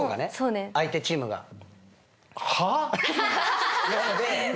相手チームが。